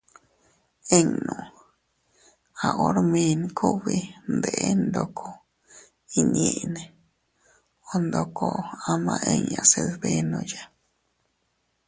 Innu..- A hormin kugbi ndeʼen ndoko inñiinne o ndoko ama inña se dbenoya.